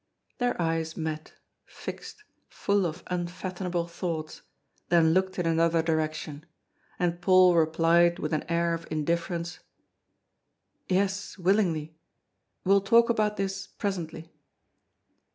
Their eyes met, fixed, full of unfathomable thoughts, then looked in another direction. And Paul replied with an air of indifference: "Yes, willingly. We'll talk about this presently."